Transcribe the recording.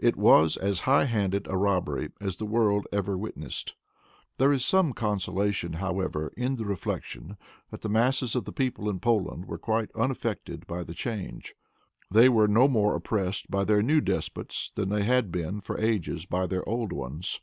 It was as high handed a robbery as the world ever witnessed. There is some consolation, however, in the reflection, that the masses of the people in Poland were quite unaffected by the change. They were no more oppressed by their new despots than they had been for ages by their old ones.